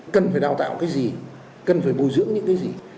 cần phải đào tạo cái gì cần phải bồi dưỡng những cái gì